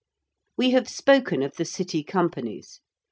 We have spoken of the City Companies.